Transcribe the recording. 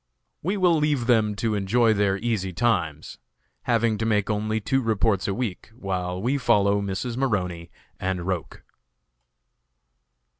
We will leave them to enjoy their easy times, having to make only two reports a week, while we follow Mrs. Maroney and Roch.